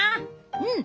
うん！